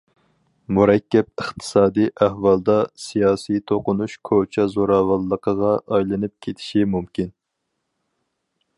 مۇرەككەپ ئىقتىسادىي ئەھۋالدا، سىياسىي توقۇنۇش كوچا زوراۋانلىقىغا ئايلىنىپ كېتىشى مۇمكىن.